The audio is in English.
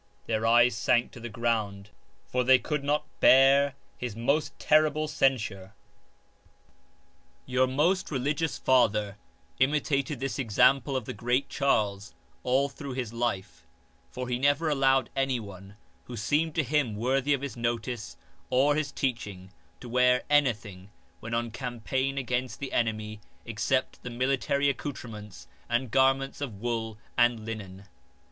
" Their eyes sank to the ground for they could not bear his most terrible censure. 150 LEWIS OF BAVARIA Your most religious father imitated this example of the Great Charles all through his life, for he never allowed anyone, who seemed to him worthy of his notice or his teaching, to wear anything when on campaign against the enemy except the military accoutrements, and garments of wool and linen.